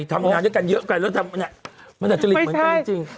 ทำงานด้วยกันเยอะกันแล้วทำเนี้ยมันจะจริงเหมือนกันจริงจริงไม่ใช่